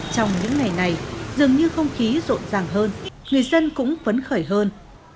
trong những ngày này dường như không khí rộn ràng hơn người dân cũng phấn khởi hơn